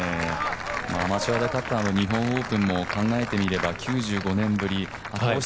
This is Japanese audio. アマチュアで勝った日本オープンも考えてみれば９５年ぶり。